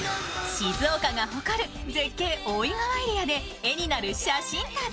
静岡が誇る絶景大井川エリアで「絵になる写真旅」。